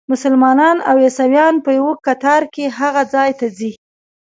مسلمانان او عیسویان په یوه کتار کې هغه ځای ته ځي.